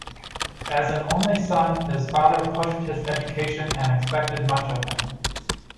As an only son, his father pushed his education and expected much of him.